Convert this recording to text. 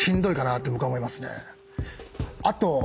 あと。